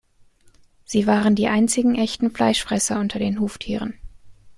Sie waren die einzigen echten Fleischfresser unter den Huftieren.